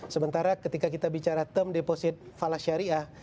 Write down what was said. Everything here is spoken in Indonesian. sementara ketika kita bicara term deposit falas syariah